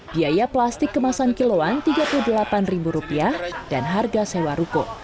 biaya plastik kemasan kiloan rp tiga puluh delapan dan harga sewa ruko